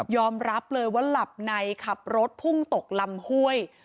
รับเลยว่าหลับในขับรถพุ่งตกลำห้วย